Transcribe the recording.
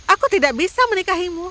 aku tidak bisa menikahimu